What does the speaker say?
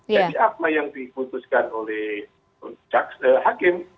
jadi apa yang diputuskan oleh hakim